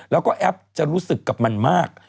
แล้วก็แอปจะรู้สึกกับมันมาก